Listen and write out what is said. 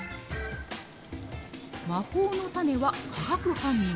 魔法のタネは化学反応。